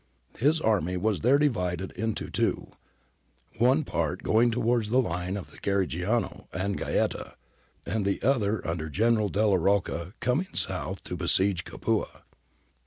His army was there divided into two, one part going on towards the line of the Garigliano and Gaeta, and the other under General Delia Rocca coming south to besiege Capua.